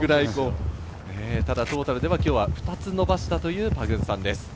トータルでは２つ伸ばしたというパグンサンです。